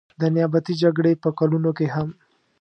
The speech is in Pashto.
د نیابتي جګړې په کلونو کې هم.